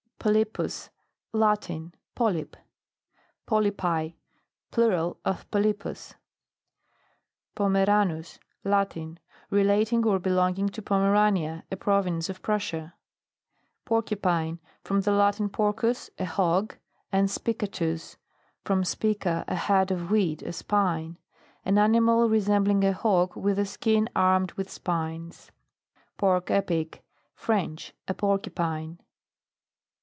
POLYPUS. Latin. Polype. POLYPI. Plural of Polypus. POMERANUS. Latin. Relating or be longing to Pomerania, a province of Prussia. PORCUPINE. From the Lntin, porous, a hog, and spicatus, from spicu, a head of w"heat, a spine. An ani mal resembling a hog with the skin armed with spines. PORC EPIC. French. A Porcupine.